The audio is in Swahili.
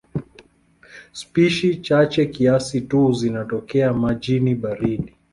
Spishi chache kiasi tu zinatokea majini baridi.